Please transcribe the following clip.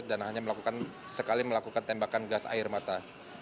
dan hanya melakukan sesekali melakukan tembakan gas air mata